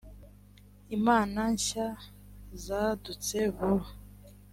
imana nshya zadutse vuba